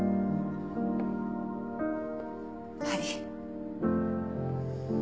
はい。